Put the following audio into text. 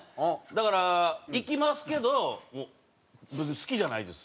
だから行きますけど別に好きじゃないです。